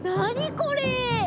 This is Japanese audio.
これ。